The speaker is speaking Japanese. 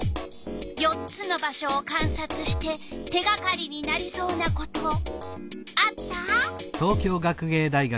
４つの場所をかんさつして手がかりになりそうなことあった？